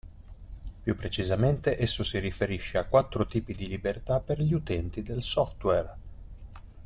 Più precisamente, esso si riferisce a quattro tipi di libertà per gli utenti del software.